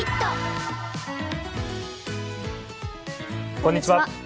こんにちは。